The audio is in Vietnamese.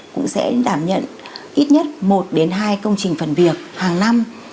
cũng sẽ đảm nhận ít nhất một đến hai công trình phần việc hàng năm